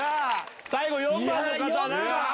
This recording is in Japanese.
最後４番の方な。